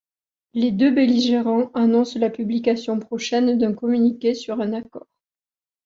Les deux belligérants annoncent la publication prochaine d'un communiqué sur un accord.